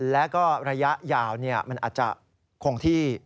แล้วก็ระยะยาวมันอาจจะคงที่